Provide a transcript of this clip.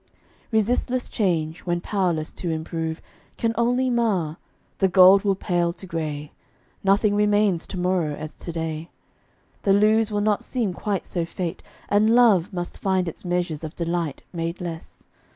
Resistless change, when powerless to improve, Can only mar. The gold will pale to gray; Nothing remains tomorrow as to day; The lose will not seem quite so fait, and love Must find its measures of delight made less.